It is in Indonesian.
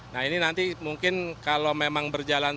nah ini nanti mungkin kalau memang berjalan